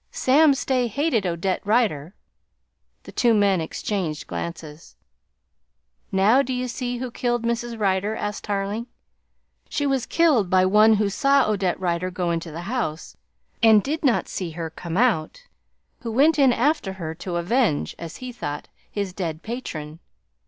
"Sam Stay hated Odette Rider." The two men exchanged glances. "Now, do you see who killed Mrs. Rider?" asked Tarling. "She was killed by one who saw Odette Rider go into the house, and did not see her come out; who went in after her to avenge, as he thought, his dead patron.